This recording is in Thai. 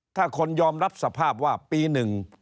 ถ้าคนยอมรับสภาพว่าปีหนึ่ง